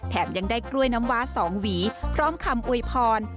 ยังได้กล้วยน้ำว้า๒หวีพร้อมคำอวยพร